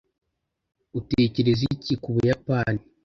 utekereza iki ku buyapani